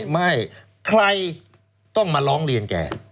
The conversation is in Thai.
ไม่ใครต้องมาร้องเรียนแก